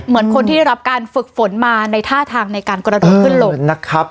เหมือนคนที่ได้รับการฝึกฝนมาในท่าทางในการกระโดดขึ้นลงนะครับ